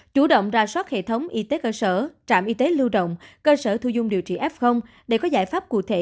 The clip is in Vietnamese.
chủ động ra soát hệ thống y tế cơ sở trạm y tế lưu động cơ sở thu dung điều trị f để có giải pháp cụ thể